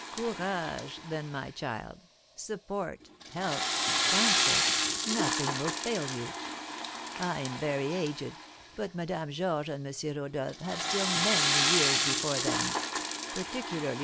Courage, then, my child! Support, help, counsel, nothing will fail you. I am very aged, but Madame Georges and M. Rodolph have still many years before them; particularly M.